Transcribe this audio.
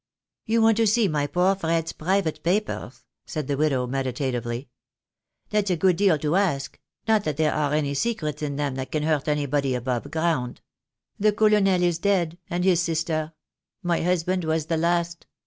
"You want to see my poor Fred's private papers," said the widow, meditatively. "That's a good deal to ask; not that there are any secrets in them that can hurt anybody above ground. The Colonel is dead, and his sister. My husband was the last.